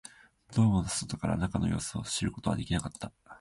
ドームの外から中の様子を知ることはできなかった